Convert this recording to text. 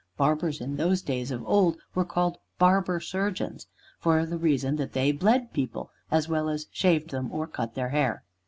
Barbers in those days of old were called barber surgeons, for the reason that they bled people, as well as shaved them or cut their hair.